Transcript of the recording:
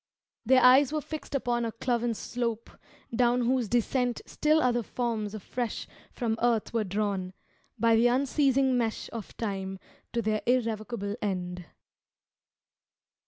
Their eyes were fixed upon a cloven slope Down whose descent still other forms a fresh From earth were drawn, by the unceasing mesh Of Time to their irrevocable end.